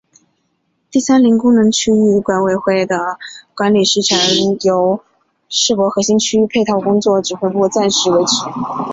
原三林功能区域管委会的管理事权由世博核心区配套工作指挥部暂时维持。